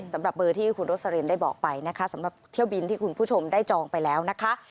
สำหรับเบอร์ที่คุณโรสลินได้บอกไปนะคะสำหรับเที่ยวบินที่คุณผู้ชมได้จองไปแล้วนะคะ